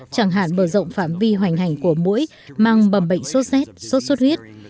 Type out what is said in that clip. chẳng hạn mở rộng phảm vi hoành hành của mũi mang bầm bệnh sốt xét sốt sốt huyết